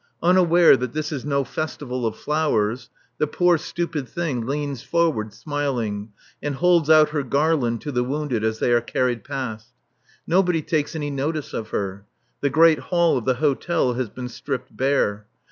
Unaware that this is no festival of flowers, the poor stupid thing leans forward, smiling, and holds out her garland to the wounded as they are carried past. Nobody takes any notice of her. The great hall of the hotel has been stripped bare.